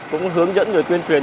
cũng hướng dẫn người tuyên truyền